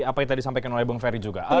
apa yang tadi disampaikan oleh bung ferry juga